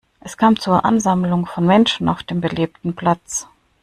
Es kam zur Ansammlung von Menschen auf dem belebten Platz.